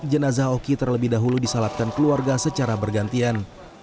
jenazah oki terlebih dahulu disalatkan keluarga secara bergantian